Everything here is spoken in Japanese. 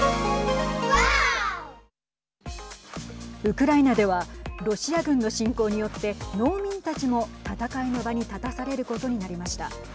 ウクライナではロシア軍の侵攻によって農民たちも戦いの場に立たされることになりました。